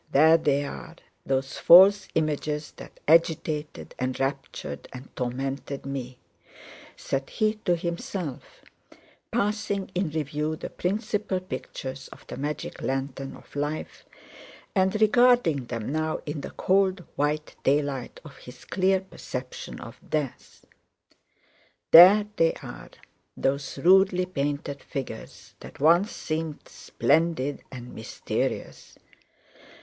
There they are, those false images that agitated, enraptured, and tormented me," said he to himself, passing in review the principal pictures of the magic lantern of life and regarding them now in the cold white daylight of his clear perception of death. "There they are, those rudely painted figures that once seemed splendid and mysterious.